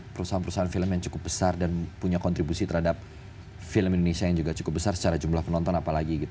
perusahaan perusahaan film yang cukup besar dan punya kontribusi terhadap film indonesia yang juga cukup besar secara jumlah penonton apalagi gitu